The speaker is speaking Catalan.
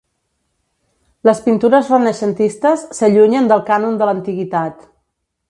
Les pintures renaixentistes s'allunyen del cànon de l'Antiguitat.